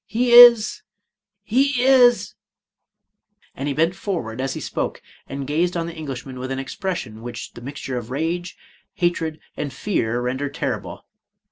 — He is — he is " and he bent forward as he spoke, and gazed on the Englishman with an expression which the mixture of rage, hatred, and fear rendered terrible.